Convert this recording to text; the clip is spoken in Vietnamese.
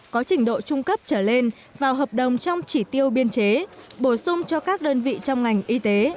có trình độ trung cấp trở lên vào hợp đồng trong chỉ tiêu biên chế bổ sung cho các đơn vị trong ngành y tế